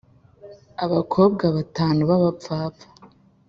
Abakobwa batanu baba pfapfa